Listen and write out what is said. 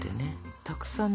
たくさんね。